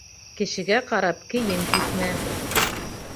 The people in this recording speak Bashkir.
Кешегә ҡарап кейем киҫмә.